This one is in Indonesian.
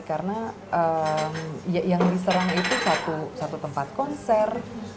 karena yang diserang itu satu tempat konser